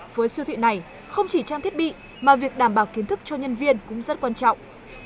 với siêu thị này không chỉ trang thiết bị mà việc đảm bảo kiến thức cho nhân viên cũng rất quan trọng